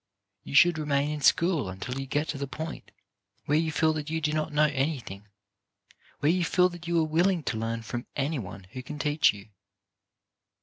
You should remain in school until you get to the point where you feel that you do not know any thing, where you feel that you are willing to learn from any one who can teach you.